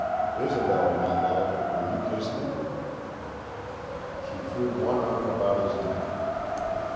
Isobel, my love, will you kiss me?" She threw one arm about his neck.